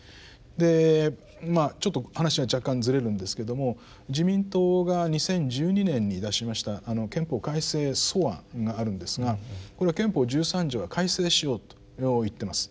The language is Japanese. でまあちょっと話は若干ずれるんですけども自民党が２０１２年に出しました憲法改正草案があるんですがこれは憲法十三条は改正しようと言っています。